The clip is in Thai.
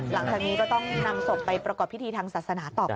หลังจากนี้ก็ต้องนำศพไปประกอบพิธีทางศาสนาต่อไป